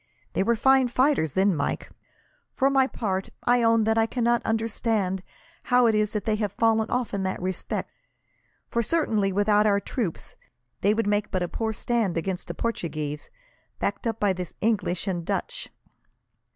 They were fine fighters then, Mike. For my part, I own that I cannot understand how it is they have fallen off in that respect; for certainly, without our troops, they would make but a poor stand against the Portuguese, backed up by the English and Dutch."